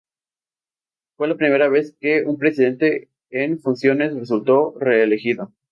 Fue la primera vez que un presidente en funciones resultó reelegido.